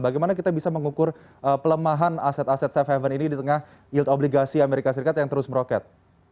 bagaimana kita bisa mengukur pelemahan aset aset safe haven ini di tengah yield obligasi amerika serikat yang terus meroket